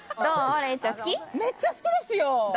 めっちゃ好きですよ。